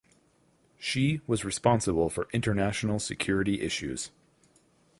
She was responsible for international security issues.